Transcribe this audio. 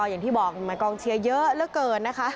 อย่างที่บอกหมายกองเชียร์เยอะเหลือเกินนะคะ